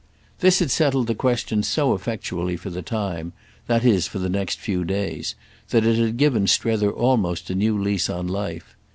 This had settled the question so effectually for the time—that is for the next few days—that it had given Strether almost a new lease of life.